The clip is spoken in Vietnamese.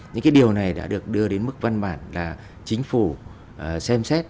những cái điều này đã được đưa đến mức văn bản là chính phủ xem xét